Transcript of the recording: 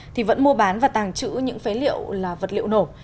thì vẫn mua bán và tàng trữ những phế liệu là vật liệu nổ